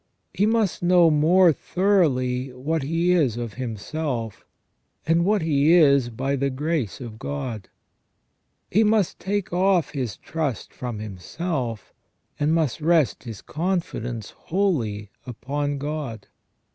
He must know more thoroughly what he is of himself, and what he is by the grace of God. He must take off his trust from himself, and must rest his confidence wholly upon God.